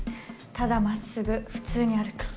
ただまっすぐ普通に歩く。